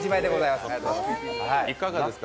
いかがですか？